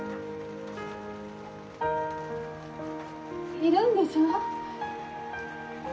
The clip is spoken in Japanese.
いるんでしょ？